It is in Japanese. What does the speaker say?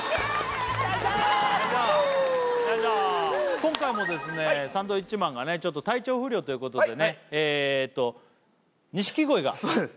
今回もですねサンドウィッチマンがねちょっと体調不良ということでねそうです